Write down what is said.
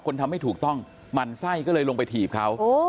ทำไม่ถูกต้องหมั่นไส้ก็เลยลงไปถีบเขา